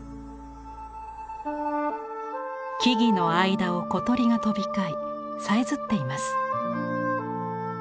木々の間を小鳥が飛び交いさえずっています。